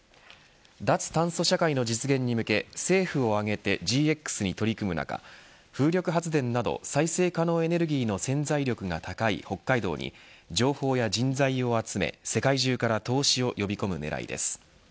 脱炭素社会の実現に向け政府を挙げてＧＸに取り組む中風力発電など再生可能エネルギーの潜在力が高い北海道に情報や人材を集め世界中から投資を呼び込む狙いです。